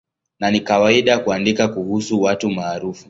Na ni kawaida kuandika kuhusu watu maarufu.